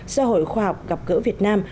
do hội khoa học gặp gỡ việt nam